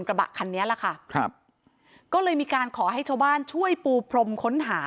กระบะคันนี้แหละค่ะครับก็เลยมีการขอให้ชาวบ้านช่วยปูพรมค้นหา